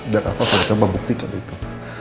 dan aku akan coba buktikan itu